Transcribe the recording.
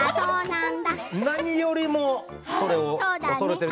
何よりも、それを恐れている。